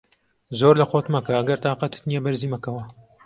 زۆر لە خۆت مەکە، ئەگەر تاقەتت نییە بەرزی مەکەوە.